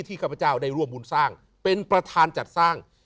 ข้าพเจ้าได้ร่วมบุญสร้างเป็นประธานจัดสร้าง